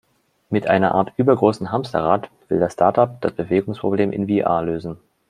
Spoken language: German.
Mit einer Art übergroßem Hamsterrad, will das Startup das Bewegungsproblem in VR lösen.